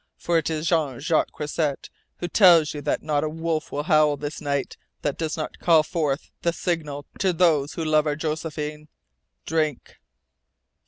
For it is Jean Jacques Croisset who tells you that not a wolf will howl this night that does not call forth the signal to those who love our Josephine! Drink!"